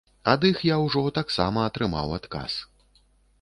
Ад іх я ўжо таксама атрымаў адказ.